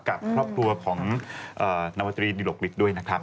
กับครอบครัวของนวตรีดิรกฤทธิ์ด้วยนะครับ